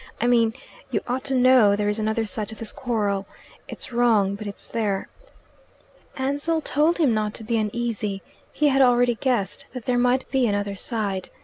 I mean, you ought to know there is another side to this quarrel. It's wrong, but it's there." Ansell told him not to be uneasy: he lad already guessed that there might be another side.